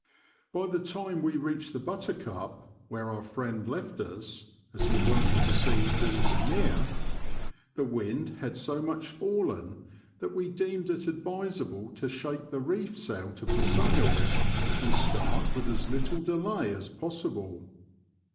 By the time we reached the Buttercup (where our friend left us, as he wanted to see Horsey Mere) the wind had so much fallen that we deemed it advisable to shake the reefs out of the sails and start with as little delay as possible.